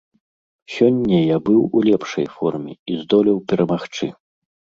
Сёння я быў у лепшай форме і здолеў перамагчы.